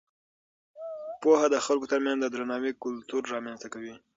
پوهه د خلکو ترمنځ د درناوي کلتور رامینځته کوي.